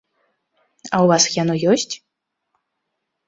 А ў вас яно ёсць?